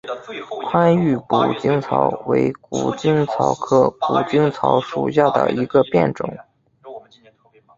宽玉谷精草为谷精草科谷精草属下的一个变种。